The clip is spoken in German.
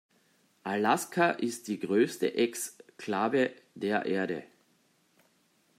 Alaska ist die größte Exklave der Erde.